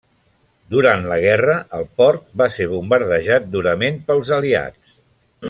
Durant la guerra, el port va ser bombardejat durament pels aliats.